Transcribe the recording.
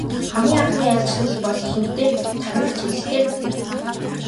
Хамгийн анхны айлчлал бол ихэнхдээ тагнах чиглэлтэй байдаг.